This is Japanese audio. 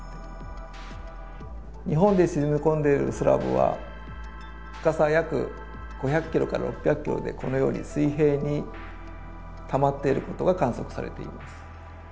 日本で沈み込んでいるスラブは深さ約５００キロから６００キロでこのように水平にたまっていることが観測されています。